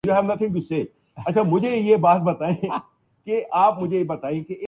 چترال کی دل کش وادی میں بہتی ندیاں